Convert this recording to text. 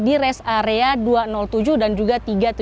di rest area dua ratus tujuh dan juga tiga ratus tujuh puluh